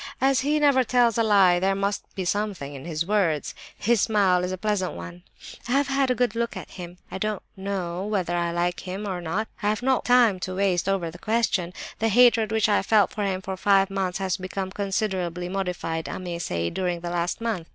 As he never tells a lie, there must be something in his words. His smile is a pleasant one. I have had a good look at him. I don't know whether I like him or not; and I have no time to waste over the question. The hatred which I felt for him for five months has become considerably modified, I may say, during the last month.